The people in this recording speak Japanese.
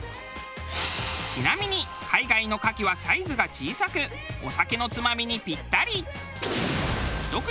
ちなみに海外の牡蠣はサイズが小さくお酒のつまみにピッタリ。